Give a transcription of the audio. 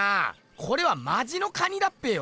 これはマジの蟹だっぺよ。